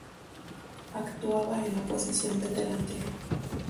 Actuaba en la posición de delantero.